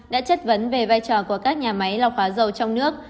đã chất vấn về vai trò của các nhà máy lọc hóa dầu trong nước